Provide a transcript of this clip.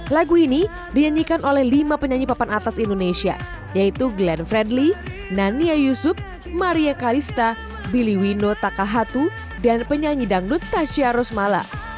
lagu ini dinyanyikan oleh lima penyanyi papan atas indonesia yaitu glenn fredly nania yusuf maria kalista billy wino takahatu dan penyanyi dangdut tasha rosmala